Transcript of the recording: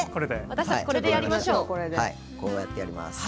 私たちこれでやりましょう。